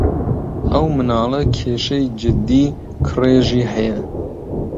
ئەو مناڵە کێشەی جددی کڕێژی ھەیە.